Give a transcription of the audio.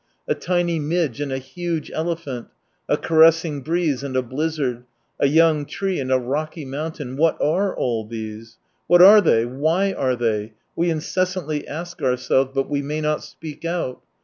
A tiny midge and a huge elephant, a caressing breeze and a blizzard, a young tree and a rocky mountain — what are all these ? What are they, why are they ? we incessantly ask ourselves, but we may not speak out.